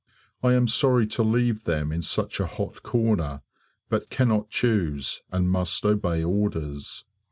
I am sorry to leave them in such a hot corner, but cannot choose and must obey orders.